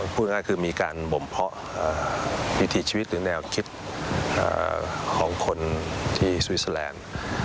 พูดง่ายคือมีการบ่มเพาะวิถีชีวิตหรือแนวคิดของคนที่สวิสเตอร์แลนด์